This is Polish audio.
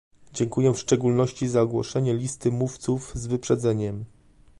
Dziękuję w szczególności za ogłoszenie listy mówców z wyprzedzeniem